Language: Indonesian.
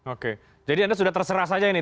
oke jadi anda sudah terserah saja ini